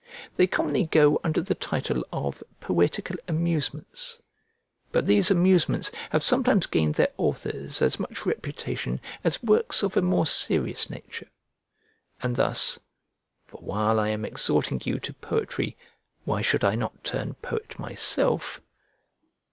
They commonly go under the title of poetical amusements; but these amusements have sometimes gained their authors as much reputation as works of a more serious nature; and thus (for while I am exhorting you to poetry, why should I not turn poet myself?)